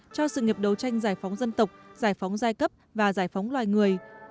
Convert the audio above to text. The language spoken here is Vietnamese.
cho sự nghiệp đấu tranh giải phóng dân tộc giải phóng giai cấp và giải phóng loài người